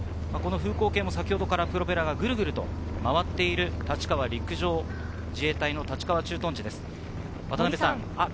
風向計も先ほどからプロペラがグルグル回っています、立川陸上自衛隊の立川駐屯地です。